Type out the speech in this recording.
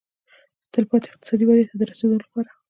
تلپاتې اقتصادي ودې ته د رسېدو لپاره.